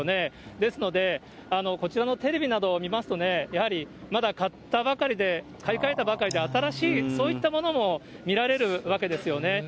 ですので、こちらのテレビなどを見ますとね、やはりまだ買ったばかりで、買い替えたばかりで新しい、そういったものも見られるわけですよね。